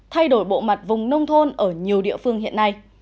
thay đổi bộ mặt vùng nông thôn ở nhiều địa phương hiện nay